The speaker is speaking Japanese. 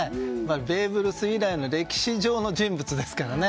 ベーブ・ルース以来の歴史上の人物ですから。